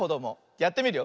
やってみるよ。